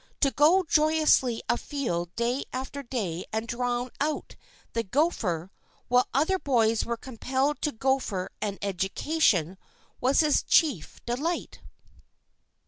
To go joyously afield day after day and drown out the gopher, while other boys were compelled to gopher an education, was his chief delight.